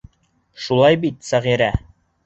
Шулай бит, Сәғирә?